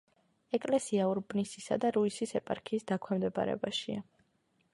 ეკლესია ურბნისისა და რუისის ეპარქიის დაქვემდებარებაშია.